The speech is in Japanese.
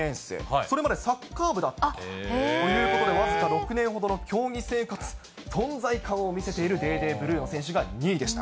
それまでサッカー部だったということで、僅か６年ほどの競技生活、存在感を見せているデーデー・ブルーノ選手が２位でした。